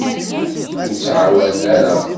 Ur tɛawen ara.